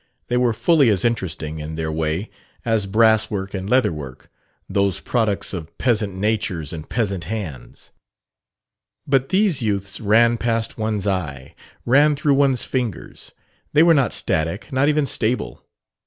They were fully as interesting, in their way, as brasswork and leatherwork, those products of peasant natures and peasant hands. But these youths ran past one's eye, ran through one's fingers. They were not static, not even stable.